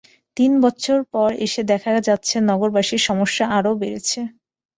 তিন বছর পর এসে দেখা যাচ্ছে নগরবাসীর সমস্যা আরও বেড়েছে।